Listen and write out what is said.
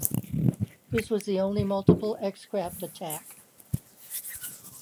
This was the only multiple X-craft attack.